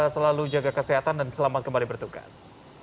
selalu jaga kesehatan dan selamat kembali bertugas